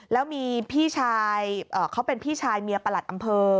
แล้วมีพี่ชายเขาเป็นพี่ชายเมียประหลัดอำเภอ